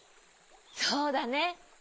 そうだね。